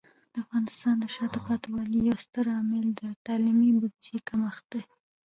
د افغانستان د شاته پاتې والي یو ستر عامل د تعلیمي بودیجه کمښت دی.